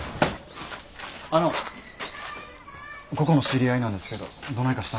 あのここの知り合いなんですけどどないかしたんですか？